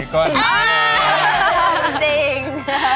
จ้องจริง